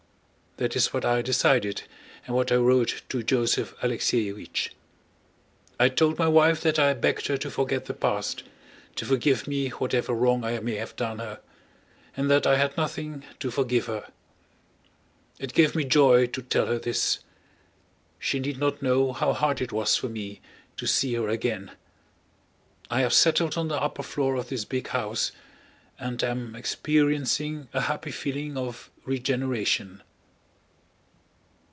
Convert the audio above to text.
That is what I decided, and what I wrote to Joseph Alexéevich. I told my wife that I begged her to forget the past, to forgive me whatever wrong I may have done her, and that I had nothing to forgive. It gave me joy to tell her this. She need not know how hard it was for me to see her again. I have settled on the upper floor of this big house and am experiencing a happy feeling of regeneration.